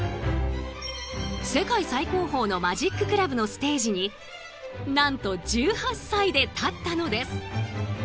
世界最高峰のマジッククラブのステージになんと１８歳で立ったのです。